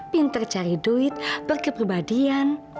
pinter cari duit berkeperbadian